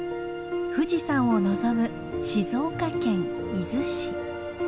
富士山を望む静岡県伊豆市。